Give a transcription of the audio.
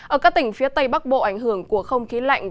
ở các tỉnh phía tây bắc bộ ảnh hưởng của không khí lạnh